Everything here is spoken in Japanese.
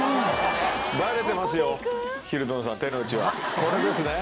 これですね。